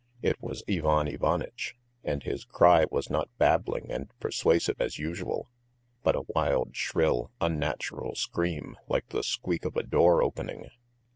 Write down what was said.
It was Ivan Ivanitch, and his cry was not babbling and persuasive as usual, but a wild, shrill, unnatural scream like the squeak of a door opening.